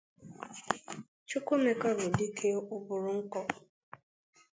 Chukwuemeka bụ dike ụbụrụ nkọ